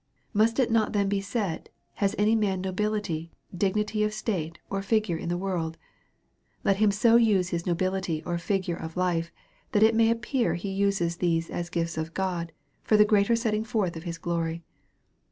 Must it not then be said. Has any man nobility, dig nityof state, or figure in the world? let him so use his nobility or figure of life, that it may appear he uses these as the gifts of God, for the greater setting forth of his glory.